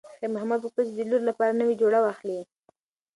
خیر محمد غوښتل چې د لور لپاره نوې جوړه واخلي.